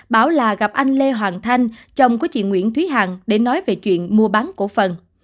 bảo là gặp anh lê hoàng thanh chồng của chị nguyễn thúy hằng để nói về chuyện mua bán cổ phần